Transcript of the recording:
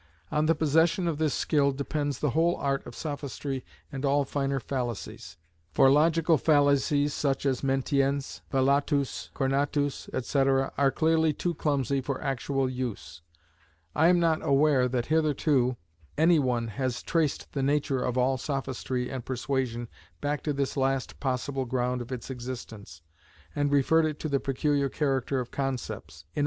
On the possession of this skill depends the whole art of sophistry and all finer fallacies; for logical fallacies such as mentiens, velatus, cornatus, &c., are clearly too clumsy for actual use. I am not aware that hitherto any one has traced the nature of all sophistry and persuasion back to this last possible ground of its existence, and referred it to the peculiar character of concepts, _i.e.